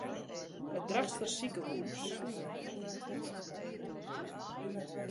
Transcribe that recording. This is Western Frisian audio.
It Drachtster sikehús.